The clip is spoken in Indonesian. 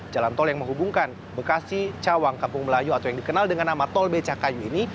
jalan tol yang menghubungkan bekasi cawang kampung melayu atau yang dikenal dengan nama tol becakayu ini